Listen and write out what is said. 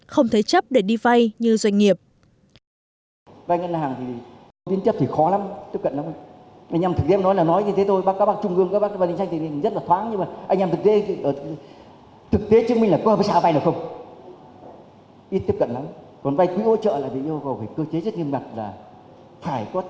không thể chấp để đi vay như doanh nghiệp